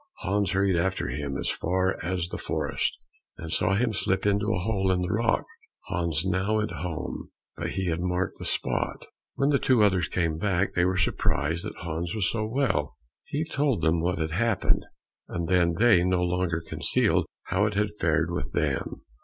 Hans hurried after him as far as the forest, and saw him slip into a hole in the rock. Hans now went home, but he had marked the spot. When the two others came back, they were surprised that Hans was so well. He told them what had happened, and then they no longer concealed how it had fared with them.